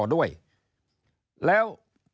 ด้วยแล้ว